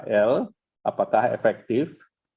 dan pkl apakah efektif